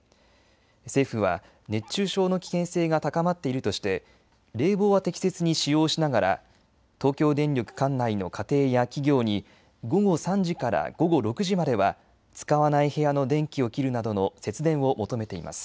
政府は熱中症の危険性が高まっているとして冷房は適切に使用しながら東京電力管内の家庭や企業に午後３時から午後６時までは使わない部屋の電気を切るなどの節電を求めています。